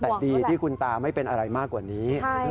แต่ดีที่คุณตาไม่เป็นอะไรมากกว่านี้